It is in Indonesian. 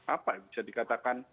apa ya bisa dikatakan